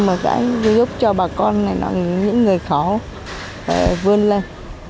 mà cái giúp cho bà con này những người khổ vươn lên